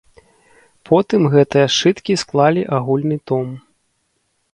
Потым гэтыя сшыткі склалі агульны том.